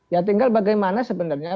ya tinggal bagaimana sebenarnya